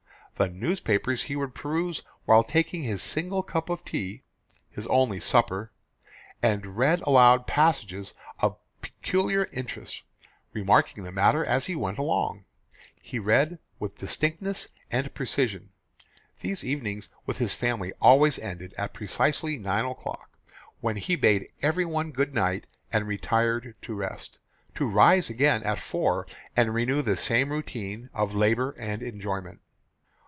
The newspapers he would peruse while taking his single cup of tea (his only supper) and read aloud passages of peculiar interest, remarking the matter as he went along. He read with distinctness and precision. These evenings with his family always ended at precisely nine o'clock, when he bade everyone good night and retired to rest, to rise again at four and renew the same routine of labour and enjoyment.